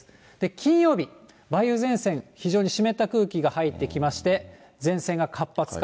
金曜日、梅雨前線、非常に湿った空気が入ってきまして、前線が活発化。